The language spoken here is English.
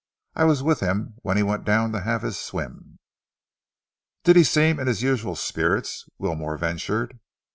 I was with him when he went down to have his swim." "Did he seem in his usual spirits?" Wilmore ventured.